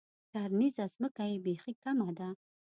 کرنیزه ځمکه یې بیخي کمه ده.